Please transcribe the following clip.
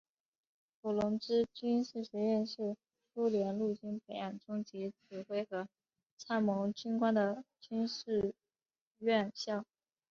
伏龙芝军事学院是苏联陆军培养中级指挥和参谋军官的军事院校。